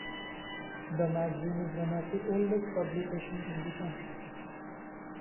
The magazine is one of the oldest publications in the country.